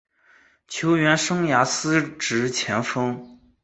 球员生涯司职前锋。